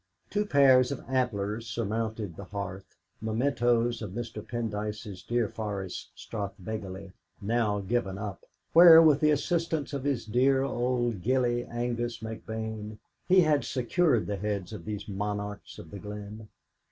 Two pairs of antlers surmounted the hearth, mementoes of Mr. Pendyce's deer forest, Strathbegally, now given up, where, with the assistance of his dear old gillie Angus McBane, he had secured the heads of these monarchs of the glen.